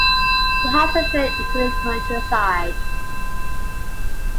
He hops a train into the countryside.